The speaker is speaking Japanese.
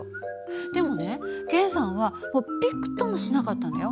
でもね源さんはびくともしなかったのよ。